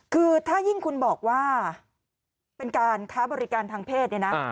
คือถ้ายิ่งคุณบอกว่าเป็นการค้าบริการทางเพศเนี่ยนะ